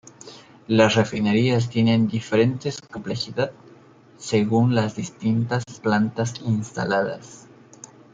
Las refinerías tienen diferentes complejidad según las distintas plantas instaladas.